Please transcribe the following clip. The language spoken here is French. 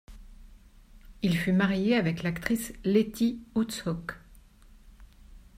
Il fut marié avec l'actrice Lettie Oosthoek.